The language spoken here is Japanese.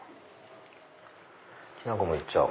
きな粉も行っちゃおう。